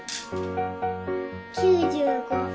９５。